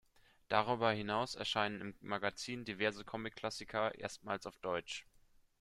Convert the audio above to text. Darüber hinaus erscheinen im Magazin diverse Comic-Klassiker erstmals auf Deutsch.